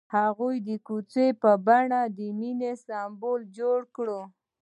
هغه د کوڅه په بڼه د مینې سمبول جوړ کړ.